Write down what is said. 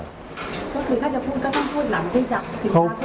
ก็คือถ้าจะพูดก็ต้องพูดหลังได้จับ